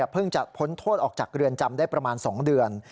เพิ่งจะพ้นโทษออกจากเรือนจำได้ประมาณ๒เดือน